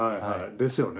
ですよね。